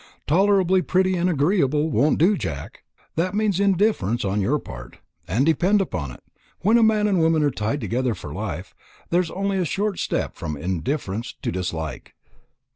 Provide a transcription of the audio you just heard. Tolerably pretty and agreeable won't do, Jack, that means indifference on your part; and, depend upon it, when a man and woman are tied together for life, there is only a short step from indifference to dislike."